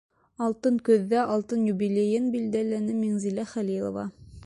Алтын көҙҙә алтын юбилейын билдәләне Миңзәлә Хәлилова.